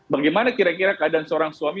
bagaimana kira kira keadaan seorang suami